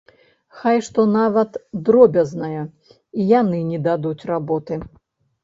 Хай што нават дробязнае, і яны не дадуць работы.